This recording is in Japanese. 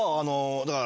だから。